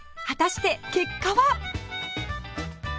果たして結果は